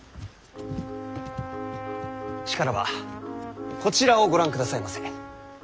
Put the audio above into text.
しからばこちらをご覧くださいませ。